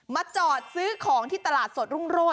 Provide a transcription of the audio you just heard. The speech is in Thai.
มาจอดซื้อของที่ตลาดสดรุ่งโรด